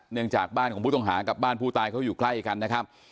เนื่องจากบ้านของพุทธงฐานกับบ้านผู้ตายเขาอยู่ใกล้กันนะครับ